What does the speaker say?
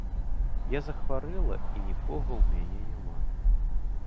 Я захварэла, і нікога ў мяне няма.